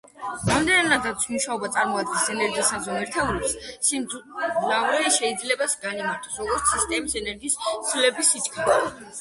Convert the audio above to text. რამდენადაც მუშაობა წარმოადგენს ენერგიის საზომ ერთეულს, სიმძლავრე შეიძლება განიმარტოს, როგორც სისტემის ენერგიის ცვლილების სიჩქარე.